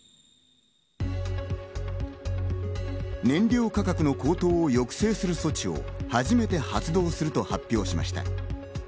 燃料価格の高騰を抑制する措置を初めて発動すると発表しました。